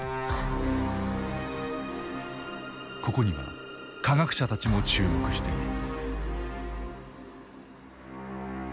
ここには科学者たちも注目している。